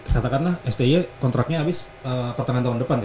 katakanlah sti kontraknya habis pertengahan tahun depan